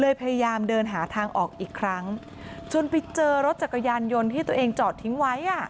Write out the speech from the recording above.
พยายามเดินหาทางออกอีกครั้งจนไปเจอรถจักรยานยนต์ที่ตัวเองจอดทิ้งไว้อ่ะ